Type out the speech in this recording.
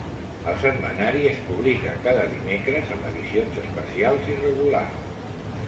El setmanari es publica cada dimecres, amb edicions especials irregulars.